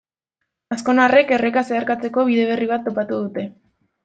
Azkonarrek erreka zeharkatzeko bide berri bat topatu dute.